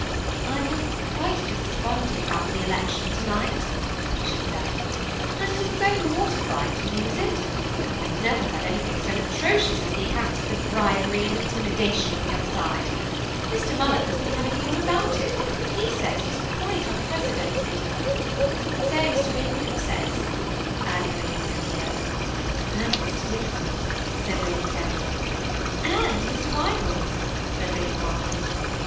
^ I fed quite desponding about the election toroight,'' she said, " and it is so mortifying to lose it ; and I never heard anything so atrocious as the accounts of the bri bery and intimidation on the other side. Mr. MuUins has been telling me all about it; he says it itj qqite unprecedented." ^ So Mr. Winthrop says," added Lady Sophias ^ And Mr. DidLsony said Lady Teviot "And Mr. WyviU," said Lady Walden.